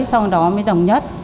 sau đó mới đồng nhất